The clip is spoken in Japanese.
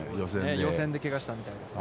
予選で、けがしたみたいですね。